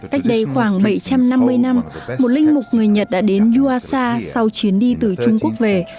cách đây khoảng bảy trăm năm mươi năm một linh mục người nhật đã đến yuasa sau chuyến đi từ trung quốc về